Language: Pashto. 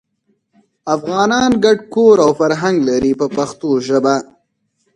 افغانان ګډ کور او فرهنګ لري په پښتو ژبه.